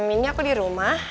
ini aku di rumah